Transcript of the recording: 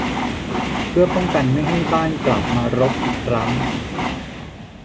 เพื่อป้องกันไม่ให้บ้านกลับมารกอีกครั้ง